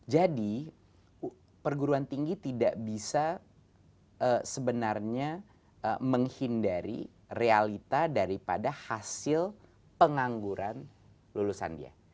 jadi perguruan tinggi tidak bisa sebenarnya menghindari realita daripada hasil pengangguran lulusan dia